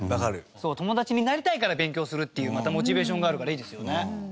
友達になりたいから勉強するっていうまたモチベーションがあるからいいですよね。